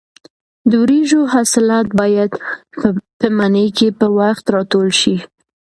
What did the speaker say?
د وریژو حاصلات باید په مني کې په وخت راټول شي.